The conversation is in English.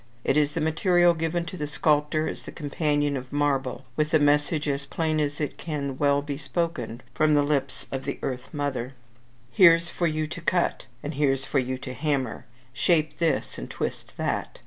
It is the material given to the sculptor as the companion of marble, with a message, as plain as it can well be spoken, from the lips of the earth mother, "Here's for you to cut, and here's for you to hammer. Shape this, and twist that.